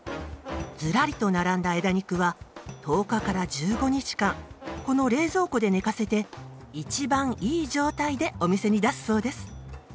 ずらりと並んだ枝肉は１０日から１５日間この冷蔵庫で寝かせて一番いい状態でお店に出すそうです。